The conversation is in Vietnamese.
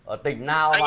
ở tỉnh nào mà